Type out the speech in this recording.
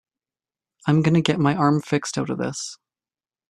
I'm gonna get my arm fixed out of this.